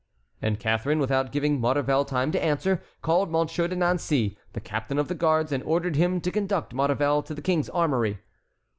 And Catharine, without giving Maurevel time to answer, called Monsieur de Nancey, the captain of the guards, and ordered him to conduct Maurevel to the king's armory.